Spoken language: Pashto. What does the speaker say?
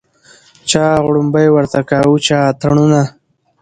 چا غړومبی ورته کاوه چا اتڼونه